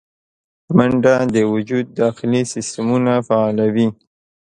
منډه د وجود داخلي سیستمونه فعالوي